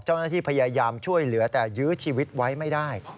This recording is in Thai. เจ้าหน้าที่พยายามช่วยเหลือแต่ยื้อชีวิตไว้ไม่ได้